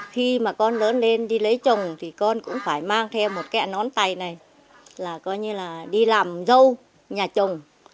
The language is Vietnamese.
khi mà con lớn lên đi lấy chồng thì con cũng phải mang theo một kẹ nón tày này là coi như là đi làm dâu nhà chồng